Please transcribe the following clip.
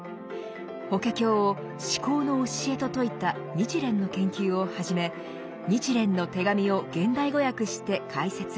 「法華経」を至高の教えと説いた日蓮の研究をはじめ「日蓮の手紙」を現代語訳して解説。